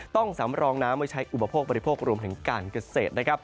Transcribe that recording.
สำรองน้ำไว้ใช้อุปโภคบริโภครวมถึงการเกษตรนะครับ